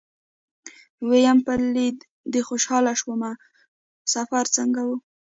ويم په ليدو دې خوشاله شوم سفر څنګه و.